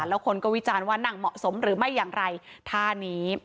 แล้วคนก็วิจารณ์ว่านั่งเหมาะสมหรือไม่อย่างไรท่านี้